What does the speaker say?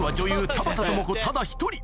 田畑智子ただ１人